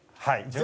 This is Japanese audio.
はい。